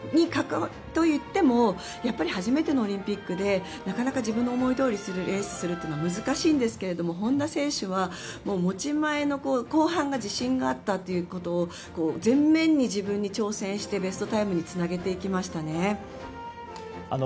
といっても初めてのオリンピックでなかなか自分の思いどおりにレースをするのは難しいんですが本多選手は持ち前の後半が自信があったということを前面に自分に挑戦してベストタイムにつなげていきましたね。